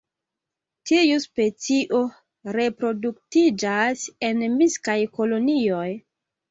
Tiu specio reproduktiĝas en miksaj kolonioj.